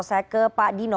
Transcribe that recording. saya ke pak dino